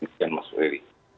dan mas geri